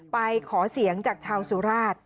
ไปขอเสียงจากชาวสุราช